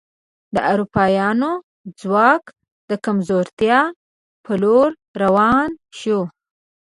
د اروپایانو ځواک د کمزورتیا په لور روان شو.